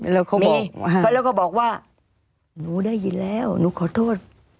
แล้วเขาบอกเขาแล้วก็บอกว่าหนูได้ยินแล้วหนูขอโทษ